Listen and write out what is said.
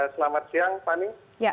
selamat siang pani